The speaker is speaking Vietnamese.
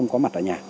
có mặt ở nhà